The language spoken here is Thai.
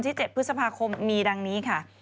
พี่ชอบแซงไหลทางอะเนาะ